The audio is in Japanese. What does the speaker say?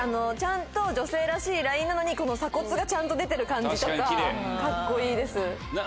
ちゃんと女性らしいラインなのに鎖骨がちゃんと出てる感じとかカッコいいです。